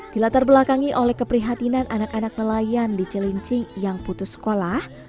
dilatar belakangi oleh keprihatinan anak anak nelayan di celincing yang putus sekolah